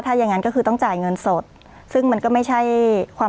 ถ้าอย่างงั้นก็คือต้องจ่ายเงินสดซึ่งมันก็ไม่ใช่ความ